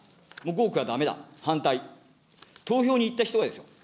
合区はだめだ、反対、投票に行った人がですよ。